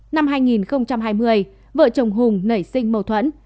năm hai nghìn hai mươi vợ chồng hùng nảy sinh mâu thuẫn